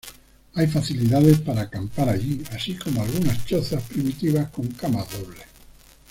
Hay facilidades para acampar allí, así como algunas chozas primitivas con camas dobles.